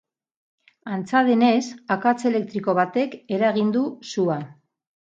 Antza denez, akats elektriko batek eragin du sua.